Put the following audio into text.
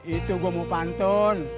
itu gue mau pantun